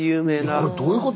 これどういうこと？